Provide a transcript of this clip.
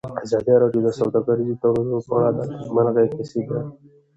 ازادي راډیو د سوداګریز تړونونه په اړه د نېکمرغۍ کیسې بیان کړې.